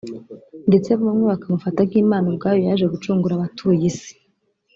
ndetse bamwe bakamufata nk’Imana Ubwayo yaje gucungura abatuye Isi